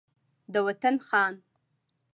د وطن خان